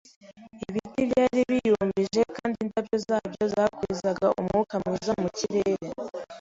Ibiti byari biyumbije kandi indabyo zabyo zakwizaga umwuka mwiza mu kirere